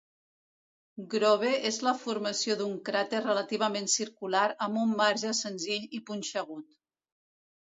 Grove és la formació d'un cràter relativament circular amb un marge senzill i punxegut.